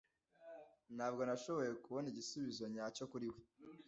Ntabwo nashoboye kubona igisubizo nyacyo kuri we.